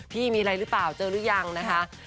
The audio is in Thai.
พี่มีอะไรหรือเปล่าเจอหรือยังนะคะ